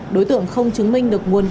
đối tượng không chứng minh được nguồn gốc